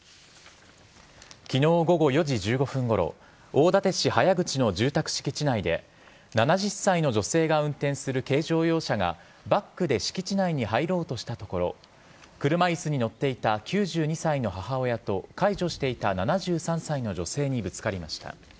昨日午後４時１５分ごろ大館市早口の住宅敷地内で７０歳の女性が運転する軽乗用車がバックで敷地内に入ろうとしたところ車椅子に乗っていた９２歳の母親と介助していた７３歳の女性にぶつかりました。